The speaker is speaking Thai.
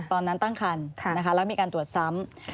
ตอนนั้นตั้งคันแล้วมีการตรวจซ้ำ